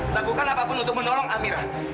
lakukan apapun untuk menolong amirah